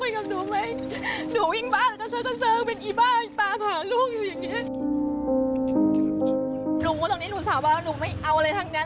หนูว่าตรงนี้หนูสาวบ้านหนูไม่เอาอะไรทั้งนั้น